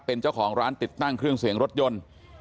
เป็นเจ้าของร้านติดตั้งเครื่องเสียงรถยนต์